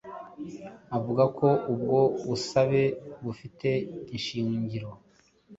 avuga ko ubwo busabe bufite ishingiro